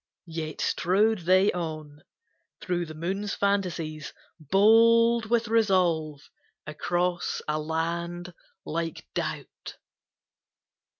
Yet strode they on, through the moon's fantasies, Bold with resolve, across a land like doubt.